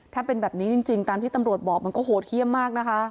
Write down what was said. ถ้าเป็นแบบนี้จริงตามที่ตำรวจบอกมันก็โหดเยี่ยมมากนะคะ